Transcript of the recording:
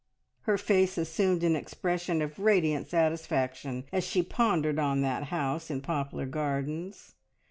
Her face assumed an expression of radiant satisfaction as she pondered on that house in Poplar Gardens.